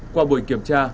qua buổi kiểm tra